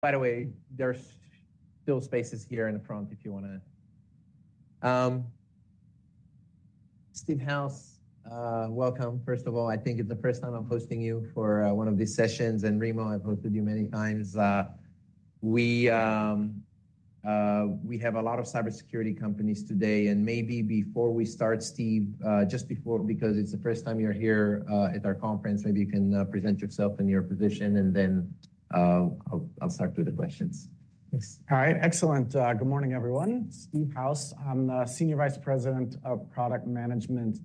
By the way, there's still spaces here in the front if you wanna. Steve House, welcome. First of all, I think it's the first time I'm hosting you for one of these sessions, and, Remo, I've hosted you many times. We have a lot of cybersecurity companies today, and maybe before we start, Steve, just before, because it's the first time you're here at our conference, maybe you can present yourself and your position, and then, I'll, I'll start with the questions. Thanks. All right. Excellent, good morning, everyone. Steve House. I'm the Senior Vice President of Product Management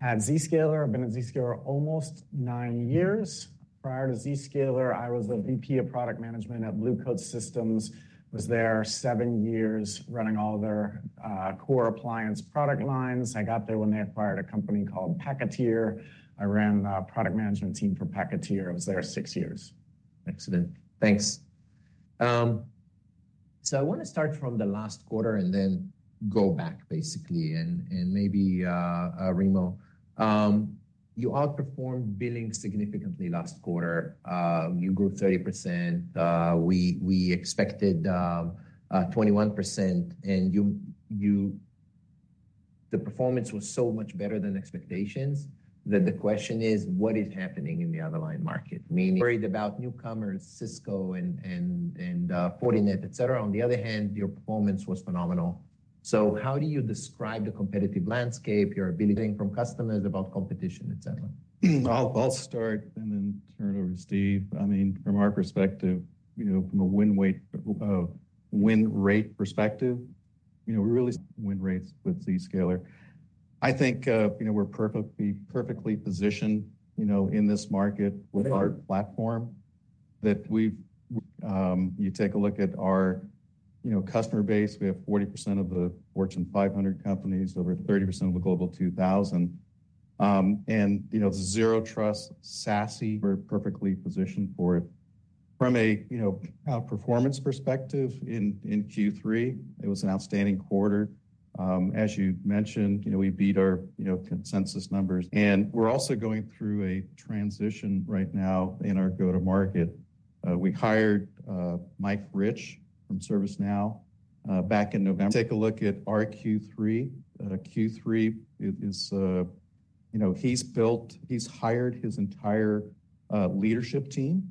at Zscaler. I've been at Zscaler almost nine years. Prior to Zscaler, I was the VP of Product Management at Blue Coat Systems, was there seven years running all their core appliance product lines. I got there when they acquired a company called Packeteer. I ran the product management team for Packeteer. I was there six years. Excellent. Thanks. So I wanna start from the last quarter and then go back, basically, and maybe Remo. You outperformed billing significantly last quarter. You grew 30%. We expected 21%, and you... The performance was so much better than expectations that the question is, what is happening in the underlying market? Many worried about newcomers, Cisco and Fortinet, et cetera. On the other hand, your performance was phenomenal. So how do you describe the competitive landscape, what you're hearing from customers about competition, et cetera? I'll start and then turn it over to Steve. I mean, from our perspective, you know, from a win weight, win rate perspective, you know, we really win rates with Zscaler. I think, you know, we're perfectly, perfectly positioned, you know, in this market with our platform, that we've, you take a look at our, you know, customer base, we have 40% of the Fortune 500 companies, over 30% of the Global 2000. You know, Zero Trust, SASE, we're perfectly positioned for it. From a, you know, outperformance perspective in, in Q3, it was an outstanding quarter. As you mentioned, you know, we beat our, you know, consensus numbers, and we're also going through a transition right now in our go-to-market. We hired, Mike Rich from ServiceNow, back in November. Take a look at our Q3. Q3 is, you know, he's hired his entire leadership team,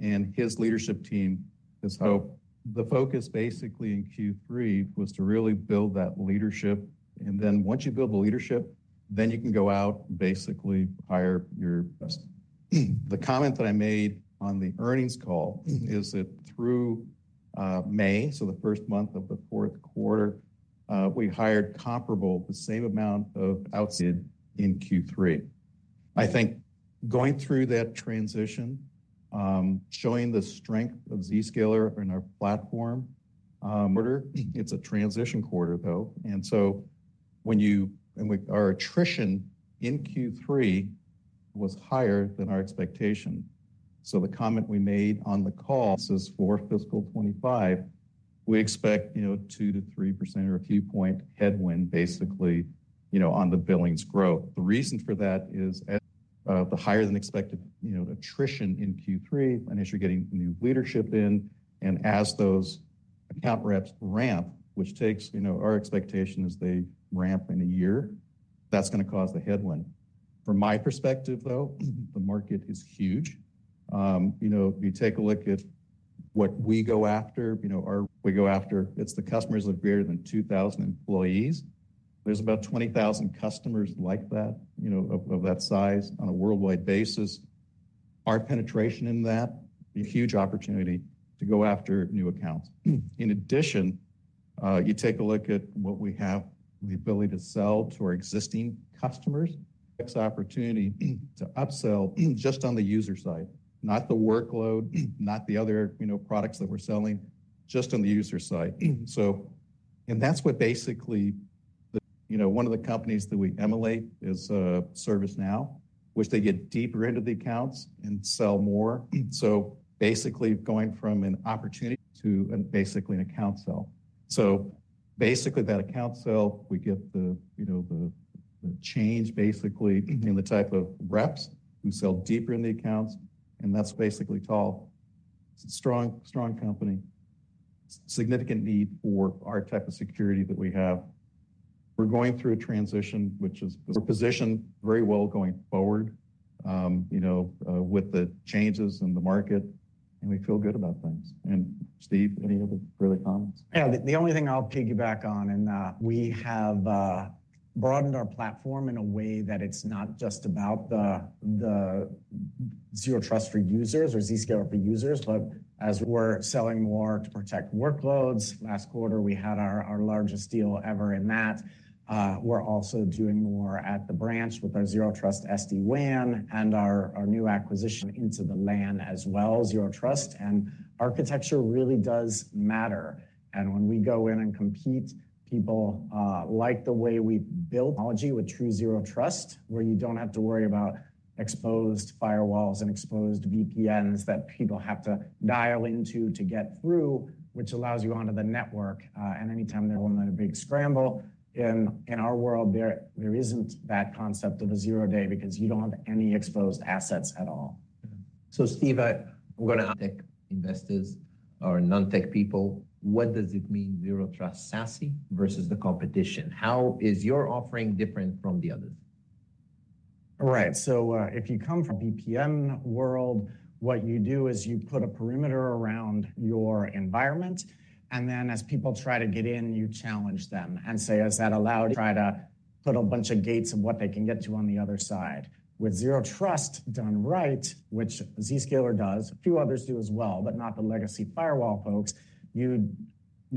and his leadership team is. So the focus basically in Q3 was to really build that leadership, and then once you build the leadership, then you can go out, basically hire your best. The comment that I made on the earnings call is that through May, so the first month of the fourth quarter, we hired comparable, the same amount of outside in Q3. I think going through that transition, showing the strength of Zscaler and our platform, it's a transition quarter, though, and so and we, our attrition in Q3 was higher than our expectation. So the comment we made on the call calls for fiscal 2025, we expect, you know, 2%-3% or a few point headwind, basically, you know, on the billings growth. The reason for that is, the higher than expected, you know, attrition in Q3, and as you're getting new leadership in, and as those account reps ramp, which takes, you know, our expectation is they ramp in a year, that's gonna cause the headwind. From my perspective, though, the market is huge. You know, if you take a look at what we go after, you know, our we go after, it's the customers with greater than 2,000 employees. There's about 20,000 customers like that, you know, of, of that size on a worldwide basis. Our penetration in that, a huge opportunity to go after new accounts. In addition, you take a look at what we have, the ability to sell to our existing customers. It's an opportunity to upsell just on the user side, not the workload, not the other, you know, products that we're selling, just on the user side. So and that's what basically the, you know, one of the companies that we emulate is ServiceNow, which they get deeper into the accounts and sell more. So basically going from an opportunity to basically an account sell. So basically that account sell, we get the, you know, the, the change basically in the type of reps who sell deeper in the accounts, and that's basically tall. It's a strong, strong company. Significant need for our type of security that we have. We're going through a transition, which is we're positioned very well going forward, you know, with the changes in the market, and we feel good about things. And Steve, any other further comments? Yeah, the only thing I'll piggyback on, and we have broadened our platform in a way that it's not just about the Zero Trust for users or Zscaler for users, but as we're selling more to protect workloads. Last quarter, we had our largest deal ever in that. We're also doing more at the branch with our Zero Trust SD-WAN and our new acquisition into the LAN as well as Zero Trust. And architecture really does matter. And when we go in and compete, people like the way we build technology with true Zero Trust, where you don't have to worry about exposed firewalls and exposed VPNs that people have to dial into to get through, which allows you onto the network, and anytime there, well, not a big scramble. In our world, there isn't that concept of a zero-day because you don't have any exposed assets at all. So Steve, we're gonna tech investors or non-tech people, what does it mean Zero Trust SASE versus the competition? How is your offering different from the others? Right. So, if you come from VPN world, what you do is you put a perimeter around your environment, and then as people try to get in, you challenge them and say, "Is that allowed?" Try to put a bunch of gates of what they can get to on the other side. With Zero Trust done right, which Zscaler does, a few others do as well, but not the legacy firewall folks, you'd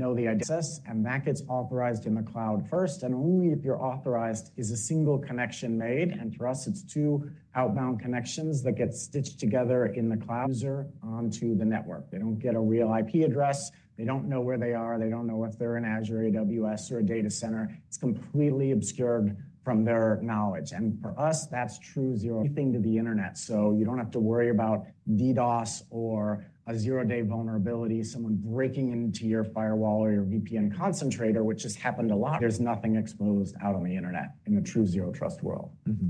know the access, and that gets authorized in the cloud first, and only if you're authorized is a single connection made, and for us, it's two outbound connections that get stitched together in the cloud user onto the network. They don't get a real IP address. They don't know where they are. They don't know if they're in Azure, AWS, or a data center. It's completely obscured from their knowledge. And for us, that's true Zero, anything to the internet. So you don't have to worry about DDoS or a zero-day vulnerability, someone breaking into your firewall or your VPN concentrator, which has happened a lot. There's nothing exposed out on the internet in a true Zero Trust world. Mm-hmm.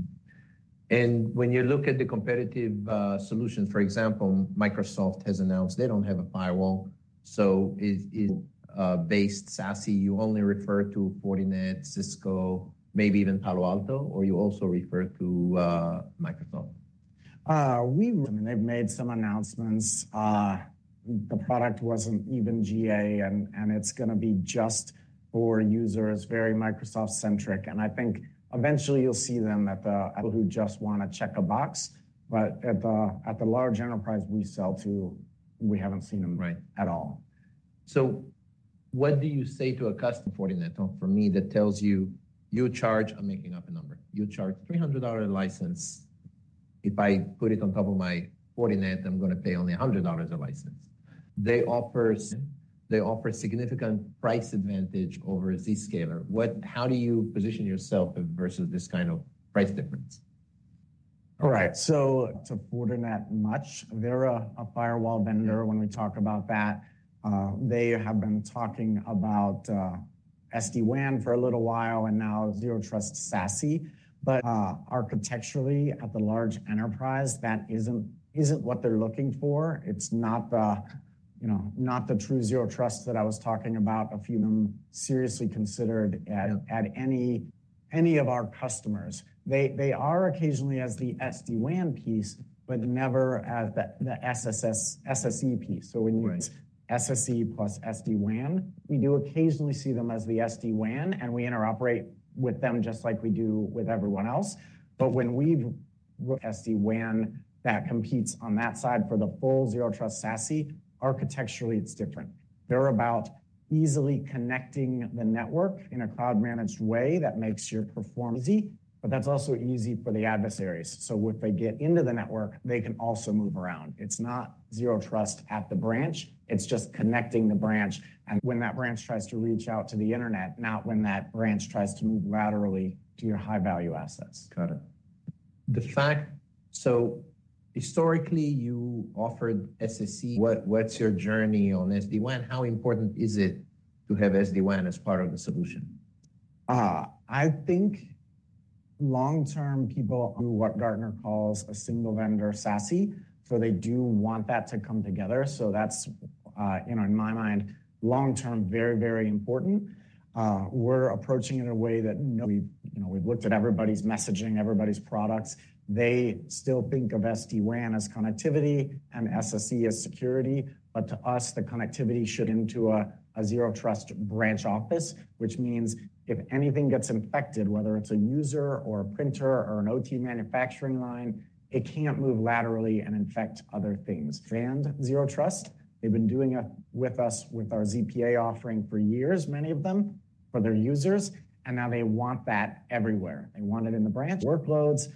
And when you look at the competitive solutions, for example, Microsoft has announced they don't have a firewall, so is SASE-based, you only refer to Fortinet, Cisco, maybe even Palo Alto, or you also refer to Microsoft? I mean, they've made some announcements. The product wasn't even GA, and it's gonna be just for users, very Microsoft-centric. And I think eventually you'll see them at the people who just wanna check a box, but at the large enterprise we sell to, we haven't seen them right at all. So what do you say to a customer, Fortinet, for me, that tells you, you charge, I'm making up a number, you charge $300 a license. If I put it on top of my Fortinet, I'm gonna pay only $100 a license. They offer—they offer significant price advantage over Zscaler. What, how do you position yourself versus this kind of price difference? All right. So, to Fortinet, much, they're a firewall vendor. When we talk about that, they have been talking about SD-WAN for a little while, and now Zero Trust SASE. But, architecturally, at the large enterprise, that isn't what they're looking for. It's not the, you know, not the true Zero Trust that I was talking about, a few of them seriously considered at any of our customers. They are occasionally as the SD-WAN piece, but never as the SSE piece. Right. So when you SSE plus SD-WAN, we do occasionally see them as the SD-WAN, and we interoperate with them just like we do with everyone else. But when we've SD-WAN, that competes on that side for the full Zero Trust SASE, architecturally, it's different. They're about easily connecting the network in a cloud-managed way that makes your perform easy, but that's also easy for the adversaries. So if they get into the network, they can also move around. It's not Zero Trust at the branch. It's just connecting the branch, and when that branch tries to reach out to the internet, not when that branch tries to move laterally to your high-value assets. Got it. The fact, so historically, you offered SSE. What, what's your journey on SD-WAN? How important is it to have SD-WAN as part of the solution? I think long-term, people do what Gartner calls a single vendor SASE, so they do want that to come together. So that's, you know, in my mind, long-term, very, very important. We're approaching it in a way that, you know, we've looked at everybody's messaging, everybody's products. They still think of SD-WAN as connectivity and SSE as security, but to us, the connectivity should into a Zero Trust Branch office, which means if anything gets infected, whether it's a user or a printer or an OT manufacturing line, it can't move laterally and infect other things. And Zero Trust, they've been doing it with us, with our ZPA offering for years, many of them, for their users, and now they want that everywhere. They want it in the branch workloads.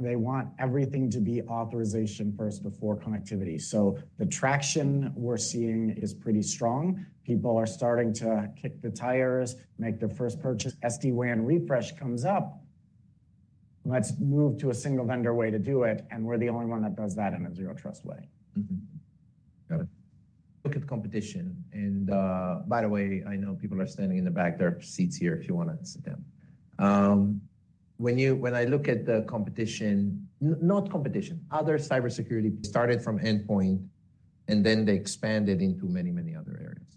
They want everything to be authorization first before connectivity. So the traction we're seeing is pretty strong. People are starting to kick the tires, make their first purchase. SD-WAN refresh comes up. Let's move to a single vendor way to do it, and we're the only one that does that in a Zero Trust way. Mm-hmm. Got it. Look at the competition, and by the way, I know people are standing in the back. There are seats here if you wanna sit down. When I look at the competition, not competition, other cybersecurity started from endpoint, and then they expanded into many, many other areas.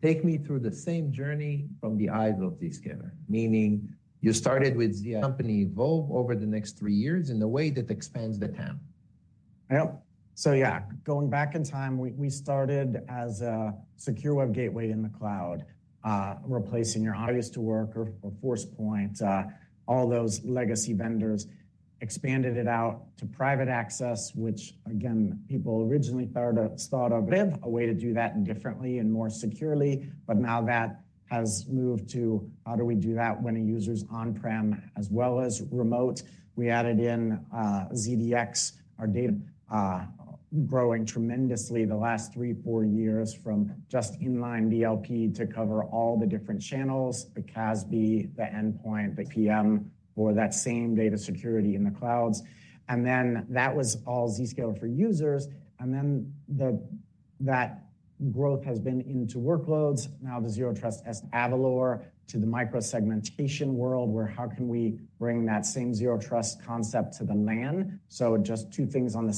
Take me through the same journey from the eyes of Zscaler, meaning you started with the company evolve over the next three years in a way that expands the TAM. Yep. So yeah, going back in time, we started as a secure web gateway in the cloud, replacing your appliances to work or Forcepoint, all those legacy vendors, expanded it out to private access, which again, people originally thought of it a way to do that differently and more securely. But now that has moved to how do we do that when a user's on-prem as well as remote? We added in ZDX, our DLP growing tremendously the last three, four years from just inline DLP to cover all the different channels, the CASB, the endpoint, the email, or that same data security in the cloud. And then that was all Zscaler for Users. And then that growth has been into workloads. Now, the Zero Trust has evolved to the micro-segmentation world, where how can we bring that same Zero Trust concept to the LAN? So just two things on the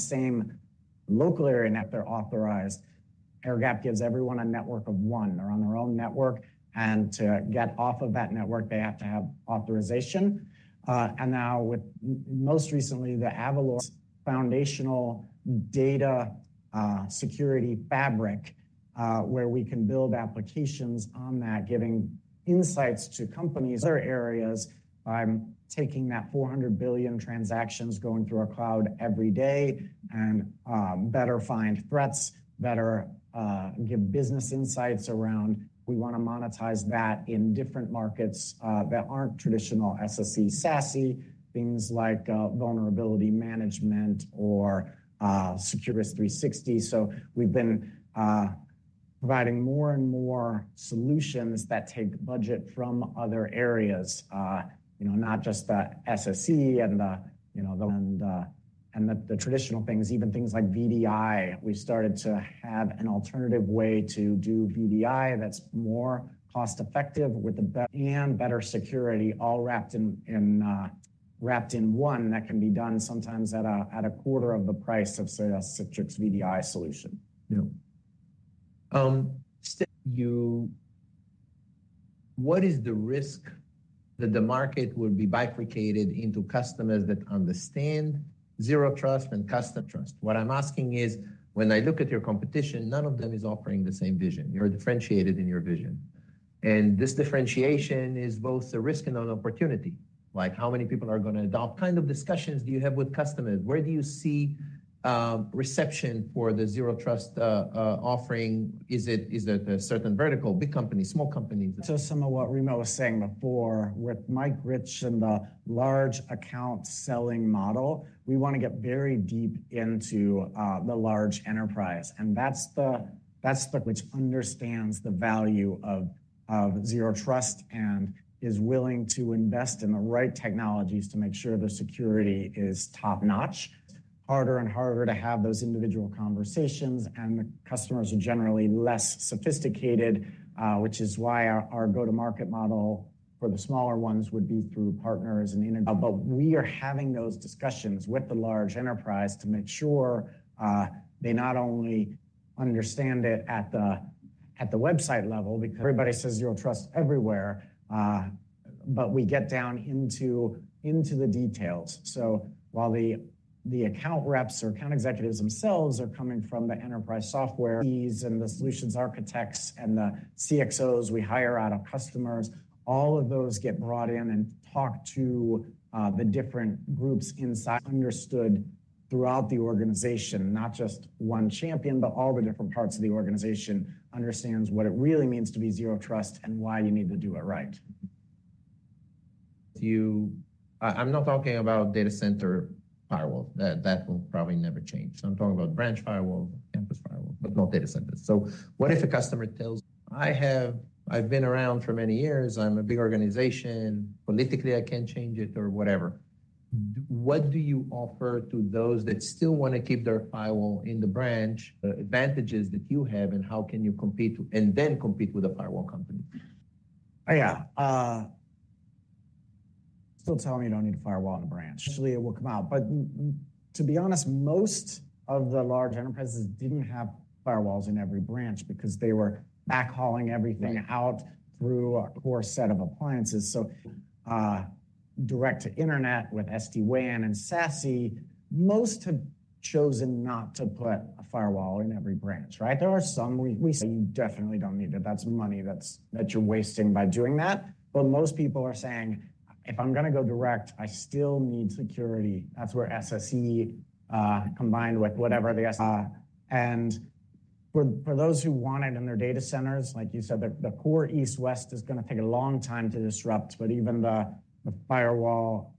same local area net, they're authorized. Airgap gives everyone a network of one. They're on their own network, and to get off of that network, they have to have authorization. And now with most recently, the Avalor's foundational data security fabric, where we can build applications on that, giving insights to companies. Other areas, I'm taking that 400 billion transactions going through our cloud every day and better find threats, better give business insights around. We wanna monetize that in different markets that aren't traditional SSE, SASE, things like vulnerability management or Risk360. So we've been providing more and more solutions that take budget from other areas, you know, not just the SSE and the traditional things, even things like VDI. We started to have an alternative way to do VDI that's more cost-effective with better and better security all wrapped in one, that can be done sometimes at a quarter of the price of, say, a Citrix VDI solution. Yeah. So, what is the risk that the market will be bifurcated into customers that understand Zero Trust and customer trust? What I'm asking is, when I look at your competition, none of them is offering the same vision. You're differentiated in your vision, and this differentiation is both a risk and an opportunity. Like, how many people are gonna adopt? What kind of discussions do you have with customers? Where do you see reception for the Zero Trust offering? Is it a certain vertical, big companies, small companies? So some of what Remo was saying before, with Mike Rich and the large account selling model, we wanna get very deep into the large enterprise, and that's the which understands the value of Zero Trust and is willing to invest in the right technologies to make sure their security is top-notch. Harder and harder to have those individual conversations, and the customers are generally less sophisticated, which is why our go-to-market model for the smaller ones would be through partners and internet. But we are having those discussions with the large enterprise to make sure they not only understand it at the website level, because everybody says Zero Trust everywhere, but we get down into the details. So while the account reps or account executives themselves are coming from the enterprise software, SEs and the solutions architects and the CXOs we hire out of customers, all of those get brought in and talk to the different groups inside, understood throughout the organization. Not just one champion, but all the different parts of the organization understands what it really means to be Zero Trust and why you need to do it right. I'm not talking about data center firewall. That will probably never change. So I'm talking about branch firewall, campus firewall, but not data centers. So what if a customer tells, "I have, I've been around for many years. I'm a big organization. Politically, I can't change it or whatever." What do you offer to those that still wanna keep their firewall in the branch, the advantages that you have, and how can you compete, and then compete with a firewall company? Yeah, still telling me you don't need a firewall in a branch. Actually, it will come out, but, to be honest, most of the large enterprises didn't have firewalls in every branch because they were backhauling everything out through a core set of appliances. So, direct to internet with SD-WAN and SASE, most have chosen not to put a firewall in every branch, right? There are some, we, we say, "You definitely don't need it. That's money that's, that you're wasting by doing that." But most people are saying, "If I'm gonna go direct, I still need security. " That's where SSE, combined with whatever the SA, and for those who want it in their data centers, like you said, the core east-west is gonna take a long time to disrupt, but even the firewall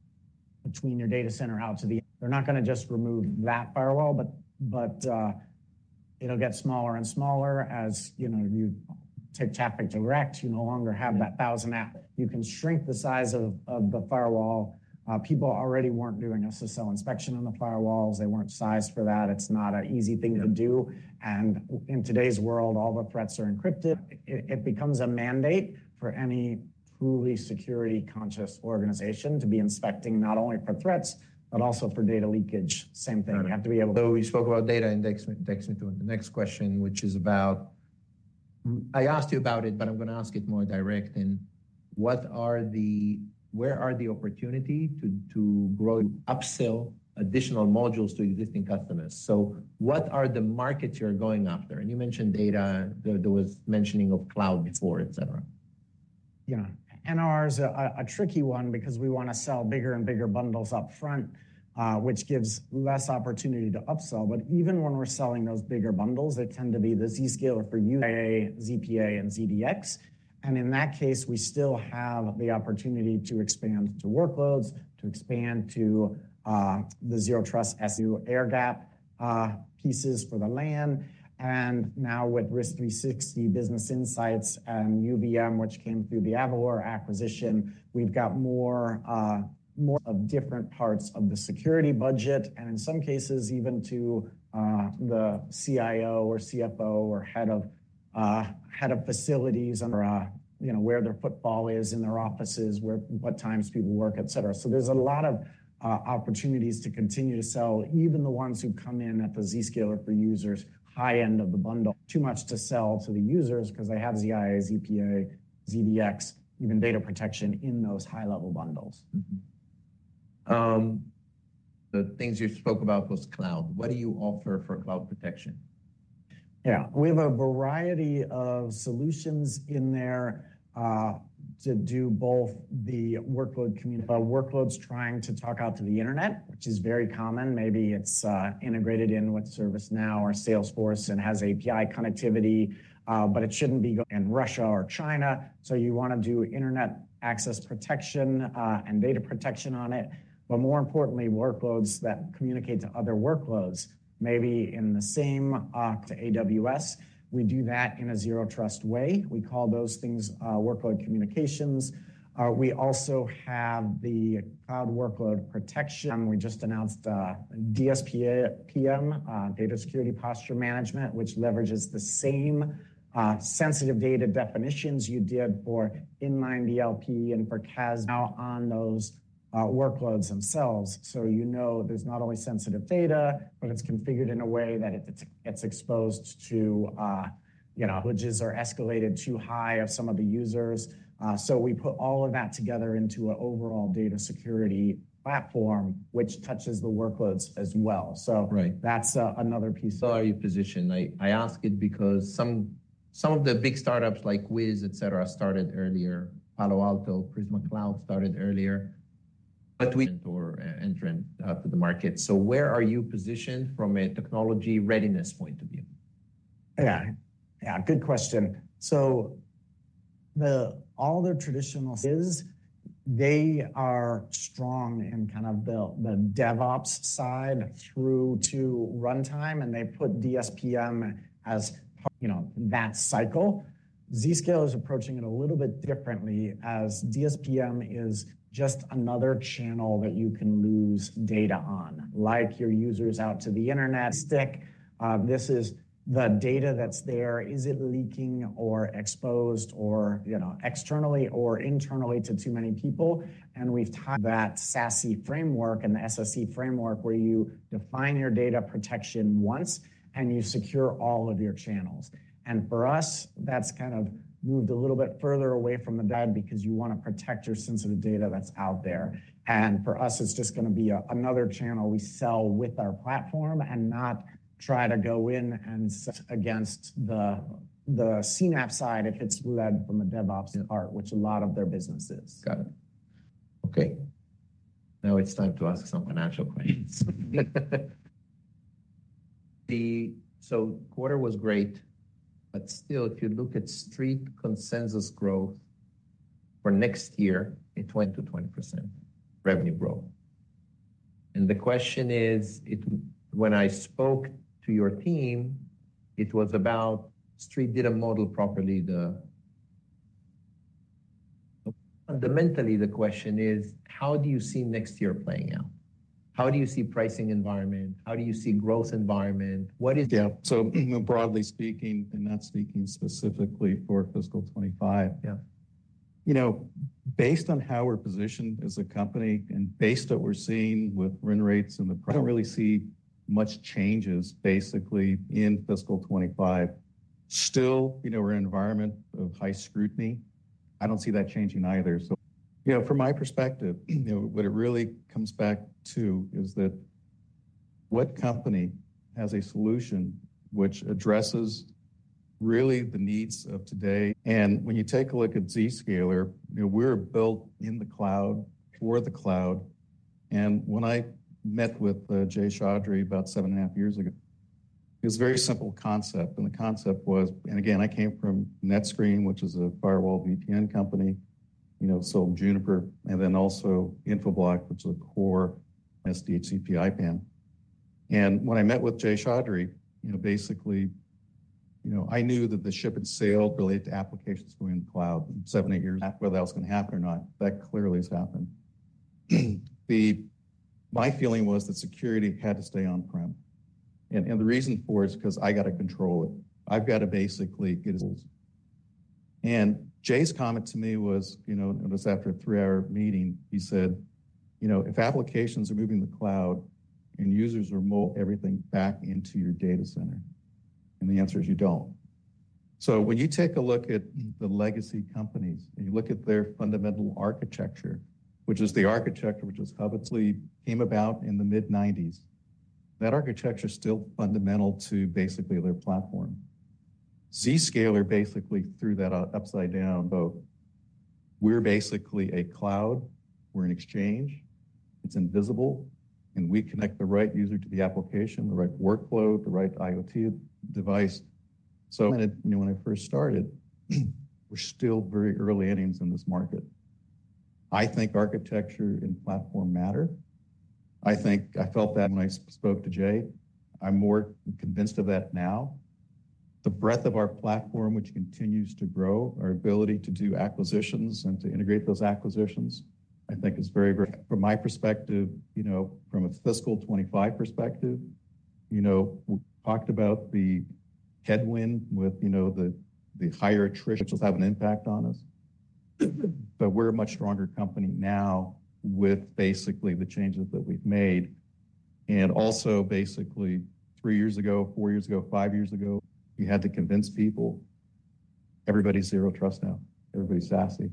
between your data center out to the-- They're not gonna just remove that firewall, but, it'll get smaller and smaller as, you know, you take traffic direct, you no longer have that thousand app. You can shrink the size of the firewall. People already weren't doing SSO inspection on the firewalls. They weren't sized for that. It's not an easy thing to do, and in today's world, all the threats are encrypted. It becomes a mandate for any truly security-conscious organization to be inspecting not only for threats, but also for data leakage. Same thing. All right. You have to be able to- So we spoke about data, and that takes me to the next question, which is about, I asked you about it, but I'm gonna ask it more direct: Then what are the-- Where are the opportunity to grow, upsell additional modules to existing customers? So what are the markets you're going after? And you mentioned data. There was mentioning of cloud before, et cetera. Yeah, and ours are a tricky one because we wanna sell bigger and bigger bundles up front, which gives less opportunity to upsell. But even when we're selling those bigger bundles, they tend to be the Zscaler for ZIA, ZPA and ZDX, and in that case, we still have the opportunity to expand to workloads, to expand to the Zero Trust SD-WAN Air Gap pieces for the LAN. And now with Risk360 Business Insights and UVM, which came through the Avalor acquisition, we've got more of different parts of the security budget, and in some cases, even to the CIO or CFO or head of head of facilities, you know, where their footprint is in their offices, where what times people work, et cetera. So there's a lot of opportunities to continue to sell, even the ones who come in at the Zscaler for Users, high end of the bundle, too much to sell to the users because they have ZIA, ZPA, ZDX, even data protection in those high-level bundles. Mm-hmm. The things you spoke about was cloud. What do you offer for cloud protection? Yeah. We have a variety of solutions in there to do both the cloud workloads trying to talk out to the internet, which is very common. Maybe it's integrated in with ServiceNow or Salesforce and has API connectivity, but it shouldn't be going in Russia or China. So you want to do internet access protection and data protection on it. But more importantly, workloads that communicate to other workloads, maybe in the same account AWS, we do that in a zero trust way. We call those things workload communications. We also have the cloud workload protection. We just announced DSPM, Data Security Posture Management, which leverages the same sensitive data definitions you did for inline DLP and for CASB now on those workloads themselves. So you know, there's not only sensitive data, but it's configured in a way that it's exposed to, you know, which are escalated too high of some of the users. So we put all of that together into an overall data security platform, which touches the workloads as well. Right. So that's another piece. How are you positioned? I ask it because some of the big startups like Wiz, et cetera, started earlier. Palo Alto Prisma Cloud started earlier, but we or entrant to the market. So where are you positioned from a technology readiness point of view? Yeah. Yeah, good question. So the, all the traditional is, they are strong in kind of the, the DevOps side through to runtime, and they put DSPM as part, you know, that cycle. Zscaler is approaching it a little bit differently, as DSPM is just another channel that you can lose data on, like your users out to the internet stick. This is the data that's there. Is it leaking or exposed or, you know, externally or internally to too many people? And we've tied that SASE framework and the SSE framework, where you define your data protection once, and you secure all of your channels. And for us, that's kind of moved a little bit further away from the DevOps because you want to protect your sensitive data that's out there. For us, it's just gonna be another channel we sell with our platform and not try to go in and set against the CNAPP side, if it's led from a DevOps part, which a lot of their business is. Got it. Okay, now it's time to ask some financial questions. The quarter was great, but still, if you look at street consensus growth for next year, it went to 20% revenue growth. And the question is, it—when I spoke to your team, it was about street didn't model properly the, fundamentally, the question is, how do you see next year playing out? How do you see pricing environment? How do you see growth environment? What is- Yeah, so, broadly speaking, and not speaking specifically for fiscal 2025- Yeah You know, based on how we're positioned as a company and based on what we're seeing with run rates and the price, I don't really see much changes basically in fiscal 2025. Still, you know, we're in an environment of high scrutiny. I don't see that changing either. So, you know, from my perspective, what it really comes back to is that what company has a solution which addresses really the needs of today? And when you take a look at Zscaler, you know, we're built in the cloud, for the cloud. And when I met with Jay Chaudhry about 7.5 years ago, it was a very simple concept, and the concept was, and again, I came from NetScreen, which is a firewall VPN company, you know, so Juniper, and then also Infoblox, which is a core DHCP, IPAM. When I met with Jay Chaudhry, you know, basically, you know, I knew that the ship had sailed related to applications going in the cloud seven, eight years. Whether that was going to happen or not, that clearly has happened. The. My feeling was that security had to stay on-prem, and the reason for it is because I got to control it. I've got to basically get, and Jay's comment to me was, you know, it was after a 3-hour meeting, he said, "You know, if applications are moving to the cloud, and users remote everything back into your data center, and the answer is you don't." So when you take a look at the legacy companies, and you look at their fundamental architecture, which is the architecture which was obviously came about in the mid-1990s, that architecture is still fundamental to basically their platform. Zscaler basically threw that out upside down. But we're basically a cloud, we're an exchange, it's invisible, and we connect the right user to the application, the right workload, the right IoT device. So, when I first started, we're still very early innings in this market. I think architecture and platform matter. I think I felt that when I spoke to Jay. I'm more convinced of that now. The breadth of our platform, which continues to grow, our ability to do acquisitions and to integrate those acquisitions, I think is very, very, from my perspective, you know, from a fiscal 2025 perspective, you know, we talked about the headwind with, you know, the, the higher attrition will have an impact on us. But we're a much stronger company now with basically the changes that we've made. Also basically, three years ago, four years ago, five years ago, you had to convince people. Everybody's Zero Trust now. Everybody's SASE.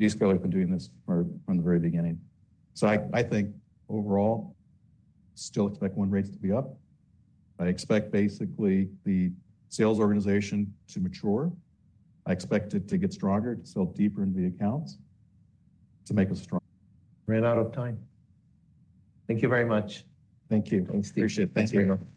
Zscaler has been doing this for from the very beginning. So I, I think overall, still expect win rates to be up. I expect basically the sales organization to mature. I expect it to get stronger, to sell deeper into the accounts, to make us stronger. Ran out of time. Thank you very much. Thank you. Appreciate it. Thank you.